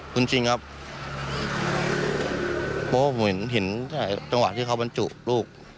คุณจริงครับเพราะว่าผมเห็นจังหวะที่เขาบรรจุลูก